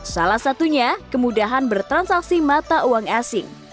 salah satunya kemudahan bertransaksi mata uang asing